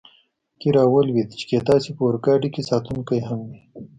کې را ولوېد، چې کېدای شي په اورګاډي کې ساتونکي هم وي.